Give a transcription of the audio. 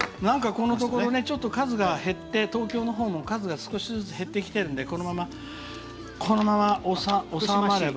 このところちょっと数が減って、東京のほうも数が少しずつ減ってきているのでこのまま収まれば。